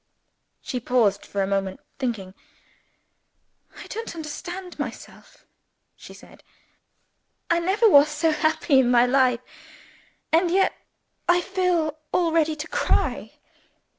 She paused for a moment, thinking. "I don't understand myself," she said. "I never was so happy in my life. And yet I feel almost ready to cry!"